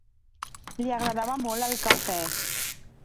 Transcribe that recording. Li agradava molt el cafè.